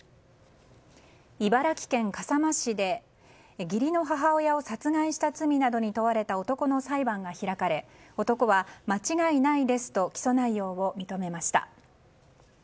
茨城県笠間市で義理の母親を殺害した罪などに問われた男の裁判が開かれ男は間違いないですと起訴内容を認めました。